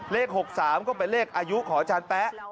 เลข๖๓ก็เป็นเลขอายุของอาจารย์แป๊ะ